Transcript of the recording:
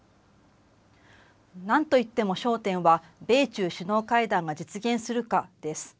なんといっても焦点は、米中首脳会談が実現するかです。